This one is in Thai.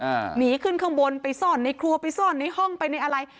หนีขึ้นข้างบนไปซ่อนในครัวไปซ่อนในห้องไปในอะไร